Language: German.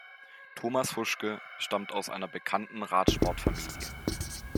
Thomas Huschke stammt aus einer bekannten Radsportfamilie.